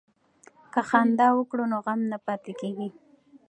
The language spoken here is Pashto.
که خندا وکړو نو غم نه پاتې کیږي.